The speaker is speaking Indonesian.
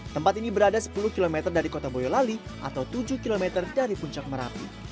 tempat ini berada sepuluh km dari kota boyolali atau tujuh km dari puncak merapi